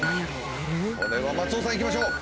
これは松尾さんいきましょう。